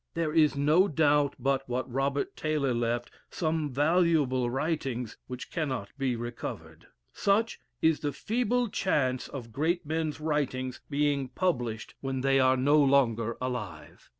There is no doubt but what Robert Taylor left some valuable writings which cannot be recovered. Such is the feeble chance of great men's writings being published when they are no longer alive.